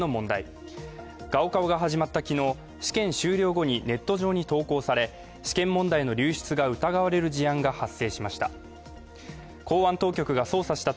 高考が始まった昨日、試験終了後にネット上に投稿され試験問題の流出が疑われる事案が発生しました。